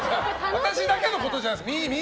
私だけのことじゃないです！